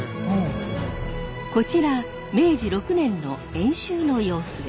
こちら明治６年の演習の様子です。